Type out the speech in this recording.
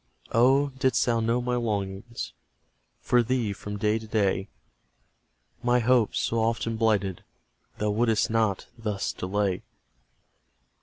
Oh, didst thou know my longings For thee, from day to day, My hopes, so often blighted, Thou wouldst not thus delay!